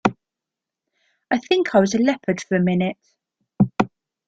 I think I was a leopard for a minute.